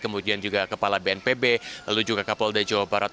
kemudian juga kepala bnpb lalu juga kapolda jawa barat